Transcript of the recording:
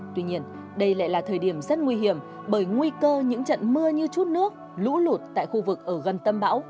tuy nhiên đây lại là thời điểm rất nguy hiểm bởi nguy cơ những trận mưa như chút nước lũ lụt tại khu vực ở gần tâm bão